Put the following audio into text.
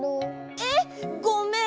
えっごめん！